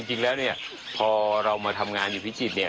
จริงแล้วเนี่ยพอเรามาทำงานอยู่พิจิตรเนี่ย